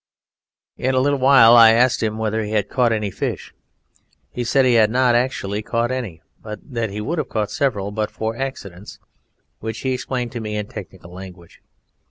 In a little while I asked him whether he had caught any fish. He said he had not actually caught any, but that he would have caught several but for accidents, which he explained to me in technical language.